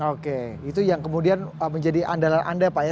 oke itu yang kemudian menjadi andalan anda pak ya